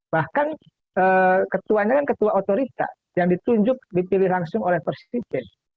bahkan ketuanya kan ketua otorita yang ditunjuk dipilih langsung oleh presiden